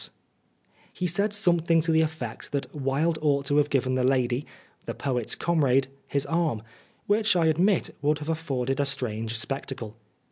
108 Oscar Wilde He said something to the effect that Wilde ought to have given the lady the poet's comrade his arm, which, I admit, would have afforded a strange spectacle.